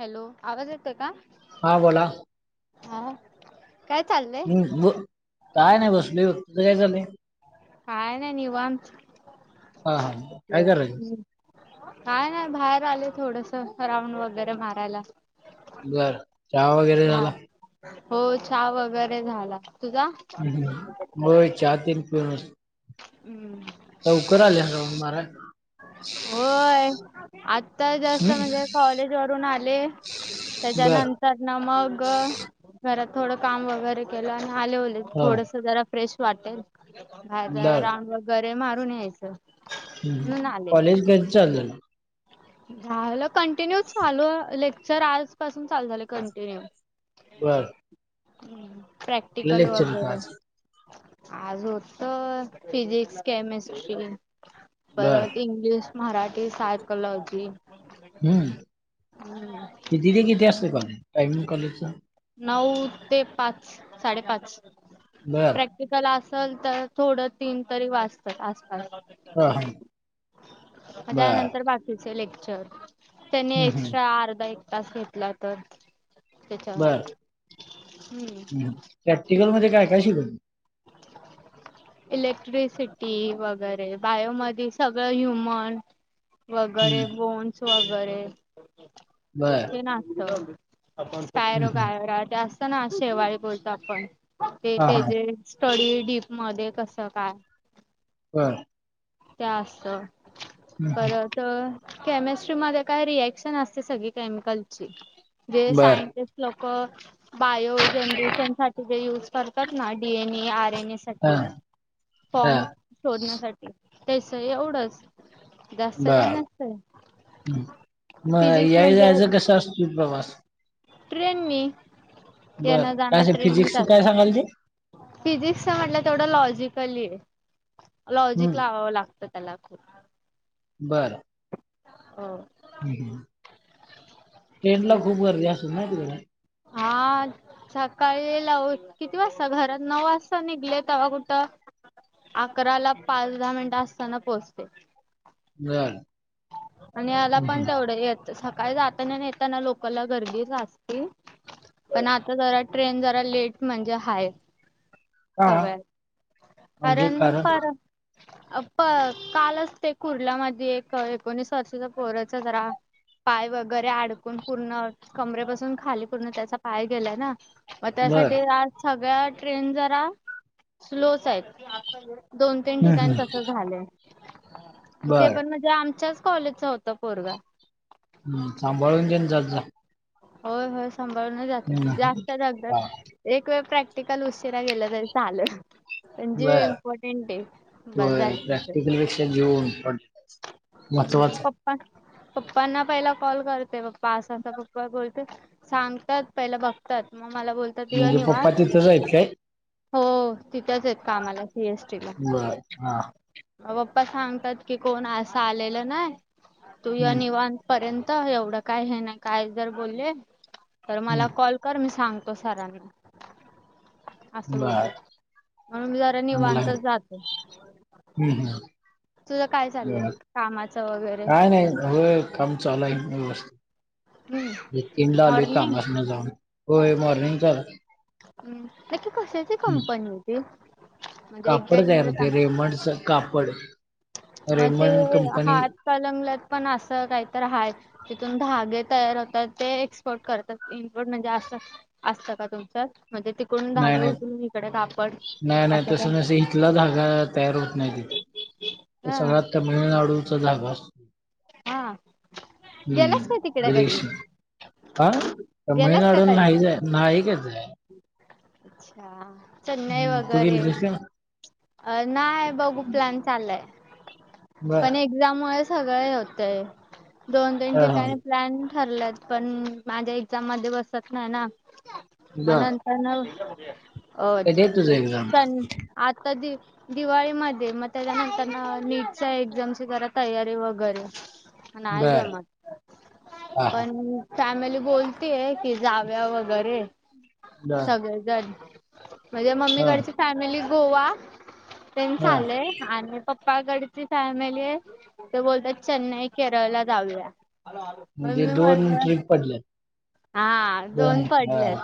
Hello आवाज येतय का? हा बोला. हा. काय चालय? हम् काय नाही बसलोय बघ तुझ काय चालंय काय नाही निवांत हा हा काय करायचं काय नाही बाहेर आले थोडस राऊंड वगैरे मारायला बरं चहा वगैरे हा. झाला हो चहा वगैरे झाला तुझा हो चाय ते पिऊनच हम्म लवकर आल्या बर होय आता जस्ट हम्म म्हणजे कॉलेज वरून आले. बर त्याच्यानं तर ना मग घरात थोडं काम वगैरे केलं आणि आले उले हा थोडस जरा फ्रेश वाटेल बा बर राऊंड वगैरे मारून यायचं. म्हणून हम्म आले. कॉलेज कसं चालू झाल [inaudible] झालं कंटिन्यू चालू लेक्चर आजपासून चालू झालं कंटिन्यू. बरं प्रॅक्टिकल होतं वगैरे आज आज होत फिजिक्स, केमिस्ट्री बर परत इंग्लिश, मराठी, सायकॉलॉजी हम्म कीती ते किती असतय कॉलेज टाईमिंग कॉलेजचे नऊ ते पाच साडेपाच बरं तिकाल असल तर थोडं तीन तरी वाजतात असता हा हा मग बर त्यानंतर बाकीचे लेक्चर त्यांनी हम्म हम्म एक्स्ट्रा अर्धा एक तास घेतला तर त्याच्यावर बर हम्म प्रॅक्टिकल मध्ये काय काय शिकवेतत [inaudible] इलेक्ट्रिसिटी वगैरे बायोमध्ये सगळं ह्युमन हम्म वगैरे बोन्स वगैरे बर हे नाचत हम्म कायरो हम्म. कायरा ते असत ना शेवाळी बोलतो आपण ते हा ते हा जे स्टडी डीप मध्ये कसं काय? बर ते असत हं. परत तर केमिस्ट्रीमध्ये काय रिएक्शन असते सगळी केमिकलची जे बर सायंटिस्ट लोक बायो जनरेशन साठी जे युज करतात ना डीएनए आरएनए हा हा फॉर्म शोधण्यासाठी त्यास एवढंच जास्त काय बर नसतय हं. मग फिजिक्स याय म्हणजे [unintelligible] प्रवास ट्रेन नी बर येण काय जाणार असं ट्रेन मी फिजिक्स जात काय सांगाल ते फिजिक्स म्हटलं तेवढं लॉजिकली आहे लॉजिक हम्म लावावं लागत. त्या [unintelligible] लाखू बरं हो ट्रेन ला खूप गर्दीे असल ना तिकड हा सकाळी लाव किती वाजता घरात नऊ वाजता निघले ते कुठं अकरा ला पाच, दहा मिनिटं असताना पोहोचतोय. मिळाल आणि याला पण तेवढं येत सकाळी जाताना येताना लोकला गर्दीच अस पण आता जरा ट्रेन जरा लेट म्हणजे हाय. का सगळया म्हणजे अरण कारण पारं अ प कालच ते कुर्ल्या मधे एक एक कोणीस वर्षाचा पोराचा जरा पाय वगैरे अडकून पूर्ण कमरेपसून खाली पूर्ण त्याचा पाय गेलाय ना. मग बर त्यासाठी आज सगळ्या ट्रेन जरा स्लोच आहेत. दोन-तीन हं, ठिकाण हं. तसं झालंय. ते बर पण म्हणजे आमच्याच कॉलेजचा होता पोरगा. हम्म सांभाळून घेन जात जा. होय होय सांभाळून जातोय हं. जास्त दगदग हा एक वेळ प्रॅक्टिकल उशीरा गेलं तरी चालल. बरं बस होय झालं तिथं. प्रॅक्टिकल पेक्षा घेऊन पड मच हम्म वाच पप्पा पप्पांना पहिला कॉल करते पप्पा असा असा पप्पा बोल सांगतात पहिला बघतात मग मला बोलतात तिवा म्हणजे पप्पा निवान तिथंच आहेत काय हो तिथेच येत कामला सी एस टी ला. बर हा अ बप्पा सांगतात की कोण असं आलेलं नाही तू य हं, निवां पर्यंत एवढं काय हे नाही काय जर बोलले तर मला हं. कॉल कर मी सांगतो सरांना. असं बर बोलतात म्हणून मी जरा चांगला आहे. निवांत जाते. हम्म हम्म तुझं काय चाललंय बरं कामाचं वगैरे काय नाही होय काम चाल आहे हम्म व्यवस्थित तीनदा आलोय मॉर्निंग कामसनं जाऊन. होय मॉर्निंगचा हम्म नक्की कशाची कंपनी होती? म्हणजे कापड एक्झॅक्ट तयार मला होते सांग रेमंडचं कापड रेमंड कंपनी कलंगलत पण असं काहीतर आहेत. तिथून धागे तयार होतात ते एक्सपोर्ट करतात इम्पोर्ट म्हणजे असं असतं का तुमच्यात म्हणजे तिकडून नाही धागे नाही उतून इकडे तापड असं काय तिथला धागा तयार होत नाही तिथे हा सगळ्यात तमिळनाडूचा धगा अस हा. गेलास का हम्म. तिकडे कधी [unintelligible] आ गेलास का तमिळनाडू [unintelligible] कधी आहे नाही [unintelligible] आहे. अच्छा चेन्नई हम्म तू वगैरे गेलतीस काय? अ नाही बघू प्लॅन चाललाय बर पण एक ज्यामुळे सगळे होतेय दोन-तीन हा हा ठिकाणी प्लॅन ठरलेत पण माझ्या एक्झाम मध्ये बसत नाही ना म बर नं हा नाव अ कधी आहे तुझं एक्झाम? चन आता दि दिवाळीमध्ये मग त्याच्यानंतर ना नीटच्या एक्झामची जरा तयारी वगैरे नाय बर जमत हा हा पण फॅमिली बोलतेय की जाऊ या वगैरे बर सगळेजण माझे हा मम्मीकडची फॅमिली गोवातेन हा चालय आणि पप पायगडीची फॅमिली आहे ते बोलतात चेन्नई केरळ ला जाऊ या. म्हणजे मम्मी दोन मारद्या ट्रिप पडल्यात हा दोन पडलेत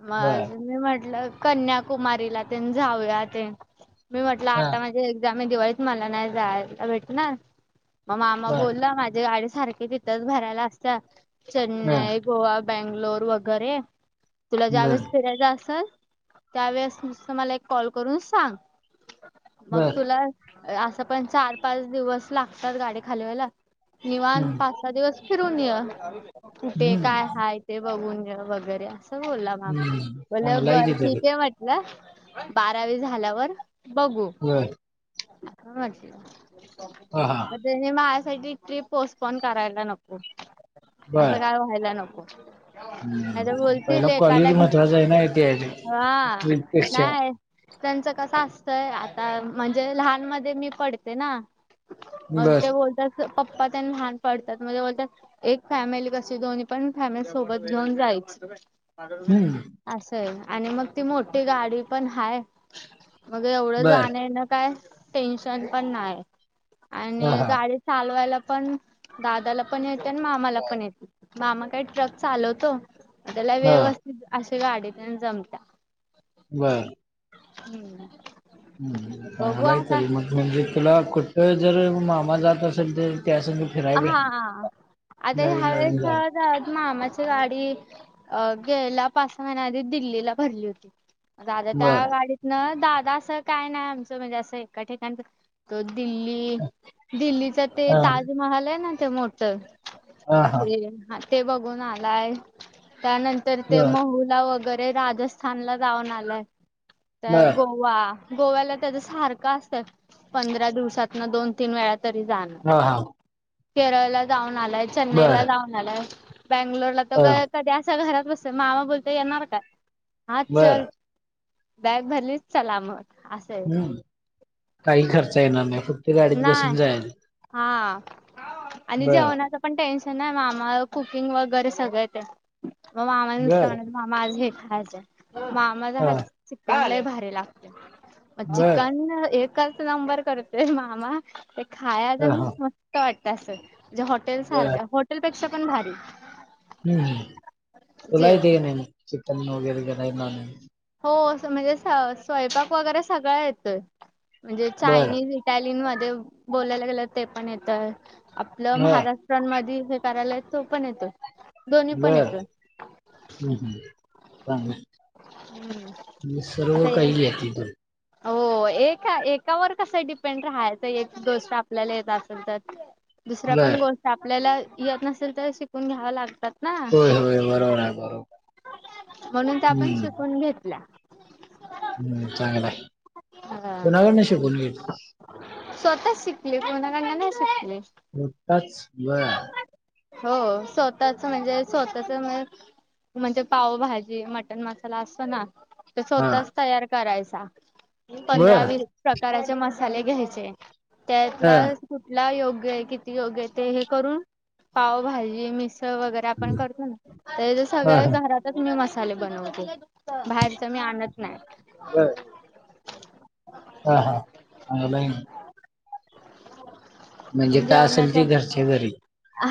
मग बर अजून मी म्हटलं कन्याकुमारीला तेन जाऊया ते मी म्हटलं हा आता माझे एक्झाम आहे दिवाळी मला नाही जायला भेट ना म मा बर बोलला माझ्या गाडी सारखी तिथंच भरायला असत्या हा चेन्नई गोवा, बेंगलोर वगैरे तुला ज्या बर वेळेस फिरायचा असल त्यावेळेस मला नुसतं एक कॉल करून सांग मग बर तुला असं पण चार पाच दिवस लागतात गाडी खाली होयला. निवान हम्म पाच, सहा दिवस फिरून य कुठे काय हम्म हाय ते बघून घ वगैरे असं बोला मामा हम्म बोला चांगला आहे बरं की तरी ठीक आहे वट ना बारावी झाल्यावर बघू होय नको घाल हा हा शिवाय मग त्याने मा साठी ट्रिप पोस्टपोन करायला नको बर असं काय व्हायला नको आता हम्म पहिला बोलतील कॉलेज एकाला घ्या महत्वाचं आहे ना इथे हा ट्रिप पेक्षा नाही त्यांचं कस असतय आता म्हणजे लहान मध्ये मी पडते ना मग बर ते बोलतात पप्पा त्यांना लहान पडतात मग ते बोलतात एक फॅमिली कशी दोन्ही पण फॅमिली सोबत घेऊन जायची हम्म असं आहे आणि मग ती मोठी गाडी पण हाय मग एवढं बर जाण ना काय टेन्शन पण नाही हा आणि हा गाडी चालवायला पण दादाला पण येत आणि मामाला पण येते मामा काय ट्रक चालवतो त्याला हा व्यवस्थित अशी गाडीत जमत्या बरं हम्म हम्म, हम्म चांगलाही तरी मग म्हणजे तुला कुठ जर मामा जात असेल तर त्या संग फिराय हा भेट अ नवीन ह्या वेळेस नवीन जाग जात मामाची गाडी अ गेला पासून आधी दिल्लीला भरली होती दादा त्या बर गाडीत ना दादा असं काय नाही आमचं म्हणजे असं एका ठिकाणच तो दिल्ली दिल्लीचा ते हा ताजमहल आहे ना ते मोठं हा हा ते ह ते बघून आलाय त्यानं तर ते बर महुला वगैरे राजस्थानला जाऊन आलंय तर बर गोवा गोव्याला त्याच सारखं असतं पंधरा दिवसात ना दोन, तीन वेळा तरी जाणं हा, हा केरळला जाऊन आलाय चेन्नई बर ला जाऊन आलाय बेंगलोरला तर ह ग कधी असा घरात बसत मामा बोलता येणार काय आाज बर चल बॅग भरलीच चला मग असय ह काही खर्च येणार नाही फ नाही हा आणि बर जेवणाचा पण टेन्शन नाही मामा कुकिंग वगैरे सगळ येतय मग मामा नुसत बर म्हणा मामा आज हे खायचं मामाझ हा चिकन लय भारी लागतय बर चिकन एच नंबर करतोय मामा ते खायाच ह आण हा म का वाटत असं म्हणजे हॉटेल बर सारखं हॉटेलपेक्षा पण भारी हम्म, हम्म तुला जेवण. येतय का नाही चिकन वगैर कराय नॉनव्हेज हो अस म्हणजे स्वयंपाक वगैरे सगळं येतोय म्हणजे बर चायनीज टॅलिन मध्ये बोलायला गेलं ते पण येतय आपलं हा महारा स्ट्रान मधी हे करायलय तो पण येतो बर ह, ह चांगलाय हम्म. म्हणजे सर्व आता काही एक व्हातीतून हो एका एकावर कसं डिपेंड राहायचं एक गोष्ट आपल्याला येत असेल तर दुसऱ्या पण बर गोष्ट आपल्याला येत नसेल तर शिकून घ्याव्या लागतात आ होय होय बरोबर आहे बरोबर म्हणून आपण हम्म शिकून घेतला हम्म चांगलं आहे हा. कुणाला कढणं शिकून घ्याय स्वतःच शिकले कोणा कडन नाही शिकले मोठताच वळ हो स्वतःच म्हणजे स्वतःच म म्हणजे पावभाजी मटण मसाला असतो ना ते हा स्वतःच तयार करायचा पंधरा बर वीस प्रकाराचे मसाले घ्यायचे त्यातला हा कुठला योग्य आहे किती योग्य आहे ते हे करून पावभाजी मिस तळ वगैरे आपण हा करतो ना त्याज्या सगळे हा घरात त्यात मी मसाले बनवते बाहेरच मी आणत नाही. बरं. आ हा चांगलाय मग. म्हणजे नाही काय असेल जेवणाच्या ती घरच्या घरी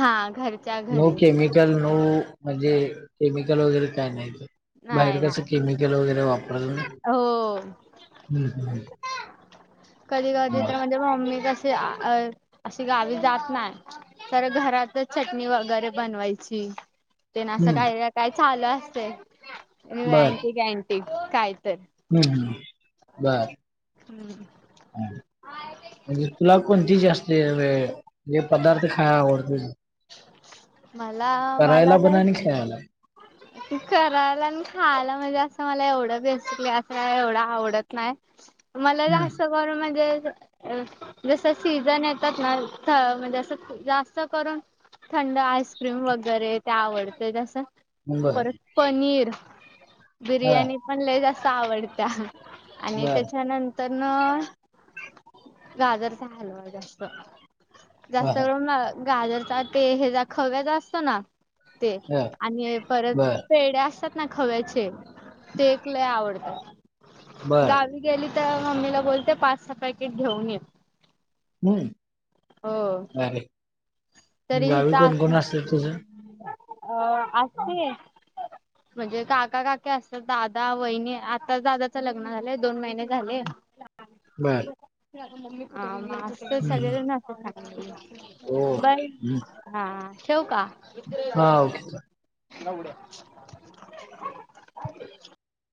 हा घरी नो केमिकल नो म्हणजे केमिकल वगैरे काय नाय ते नाही बाहेर कसं नाही केमिकल वगैरे वापरलं ना. हो. हम्म हम्म कधी कधी चांगलं तर आहे. म्हणजे मम्मी कशी अ अशी गावी जात नाय. तर घरातच चटणी वगैरे बनवायची. ते ना असं हम्म काय रे काय चालं असते बर अँटिक अँटिक काय तर हम्म हम्म बरं. [inaudible] म्हणजे तुला कोणती जास्ते येवे जे पदार्थ खाय आवडते? मला मला करायला पण तर आणि खेळायला. करायला आणि खायला म्हणजे असं मला एवढं बेसिक असं काय एवढं आवडत नाय. मला जास्त हम्म गरमध्ये अ जसं सीझन येतात ना ता म्हणजे असं जास्त करून थंड आईस्क्रीम वगैरे ते आवडते जसं बर परत पनीर, हा बिर्याणी पण लई जास्त आवडत्या. आणि बर त्याच्यानं तर न गाजरचा हलवा जास्त ह जास्त करून गाजरचा ते हेजा खव्याचा असतो ना. ते ह आणि परत बर पेढ्या असतात ना खव्याचे ते एक लई आवड बर गावी गेली तर मम्मीला बोलते पाच सहा पॅकेट घेऊन ये. हम्म हो अरे! तरी गावी हितं कोण कोण असत तुझं असेल अ असते. म्हणजे काका काकी असतात दादा वहिणी आता दादाचं लग्न झालंय दोन महिने झाले. [unintelligible] बरं आम् आजतर हम्म. सगळेना ओ. [unintelligible] बर हम्म. हा ठेवू का? हा, ओके. नवड्या